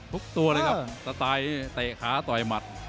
ตัวเลยครับสไตล์เตะขาต่อยหมัด